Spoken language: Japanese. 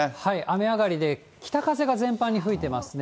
雨上がりで北風が全般に吹いてますね。